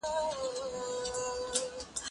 زه به اوږده موده د کتابتوننۍ سره مرسته کړې وم،